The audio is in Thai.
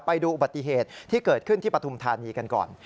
ไปดูอุบัติเหตุที่เกิดขึ้นที่ปฐุมธานีกันก่อน